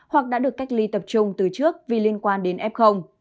hoặc đã được cách ly tập trung từ trước vì liên quan đến f